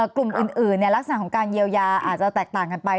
กลุ่มอื่นลักษณะของการเยียวยาอาจจะแตกต่างกันไป